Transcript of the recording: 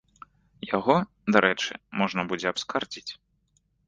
Яго, дарэчы, можна будзе абскардзіць.